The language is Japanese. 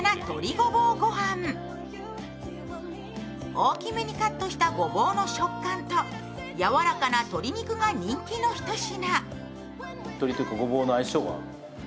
大きめにカットしたごぼうの食感と、やわらかな鶏肉が人気の一品。